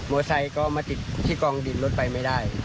ไซค์ก็มาติดที่กองดินรถไปไม่ได้